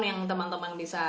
yang teman teman bisa